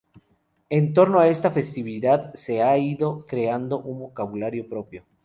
En torno ha esta festividad se ha ido creando un vocabulario propio.